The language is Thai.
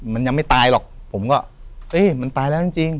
มันยังไม่ตายหรอกผมก็เอ้ยมันตายแล้วจริง